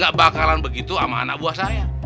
gak bakalan begitu sama anak buah saya